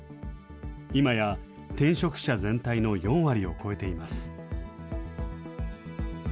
今や転職者全体の４割を超えています。